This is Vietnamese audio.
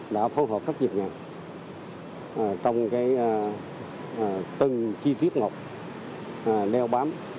đã phối hợp rất nhiều nhà trong cái từng chi tiết ngọt leo bám